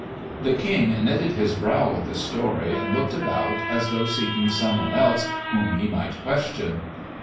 The King knitted his brow at the story, and looked about as though seeking someone else whom he might question.